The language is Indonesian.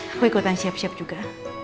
aku ikutan siap siap juga